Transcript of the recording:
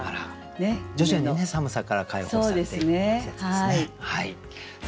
徐々に寒さから解放されていく季節ですね。